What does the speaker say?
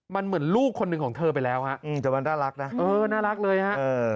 มันเหมือนลูกคนหนึ่งของเธอไปแล้วฮะแต่มันน่ารักนะเออน่ารักเลยฮะ